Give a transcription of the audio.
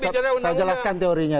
saya jelaskan teorinya